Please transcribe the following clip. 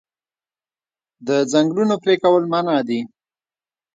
د ځنګلونو پرې کول منع دي.